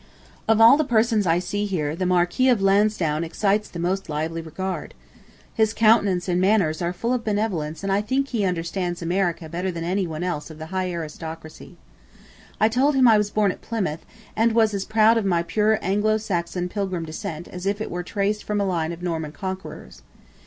Of all the persons I see here the Marquis of Lansdowne excites the most lively regard. His countenance and manners are full of benevolence and I think he understands America better than anyone else of the high aristocracy. I told him I was born at Plymouth and was as proud of my pure Anglo Saxon Pilgrim descent as if it were traced from a line of Norman Conquerors.